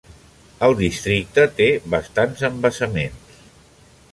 El districte té bastants embassaments.